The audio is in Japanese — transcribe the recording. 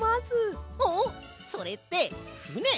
あっそれってふね？